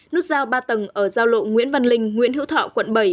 nút giao ba tầng ở giao lộ nguyễn văn linh nguyễn hữu thọ quận bảy